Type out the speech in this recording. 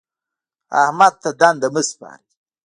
احمد ته دنده مه سپارئ.